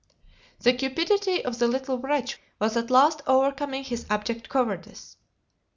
The cupidity of the little wretch was at last overcoming his abject cowardice.